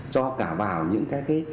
cho cả vào những